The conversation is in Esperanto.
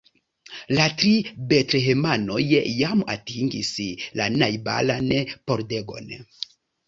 La tri betlehemanoj jam atingis la najbaran pordegon.